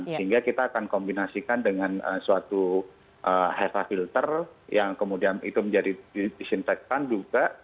sehingga kita akan kombinasikan dengan suatu hepa filter yang kemudian itu menjadi disinfektan juga